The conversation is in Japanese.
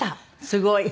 すごい。